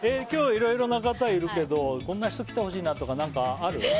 今日色々な方いるけどこんな人来てほしいなとか何かある？